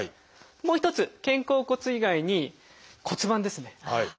もう一つ肩甲骨以外に骨盤ですね。